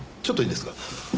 ちょっといいですか？